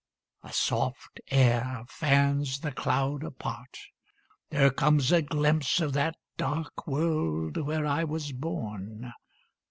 A soft air fans the cloud apart; there comes A glimpse of that dark world where I was born.